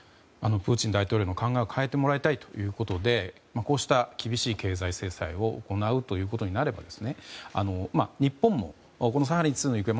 プーチン大統領に考えを変えてもらいたいということでこうした厳しい経済制裁を行うということになれば